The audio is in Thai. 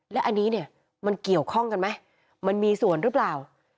แล้วอันนี้มันเกี่ยวข้องกันมั้ยมันมีส่วนรึเปล่า